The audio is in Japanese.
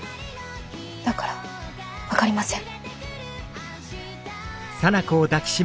だから分かりません。